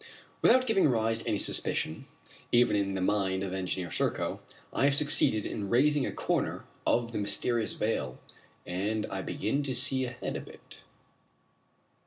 Without giving rise to any suspicion even in the mind of Engineer Serko I have succeeded in raising a corner of the mysterious veil, and I begin to see ahead a bit.